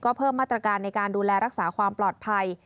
ก็เพิ่มมาตรการในการดูแลรักษาความปลอดภัย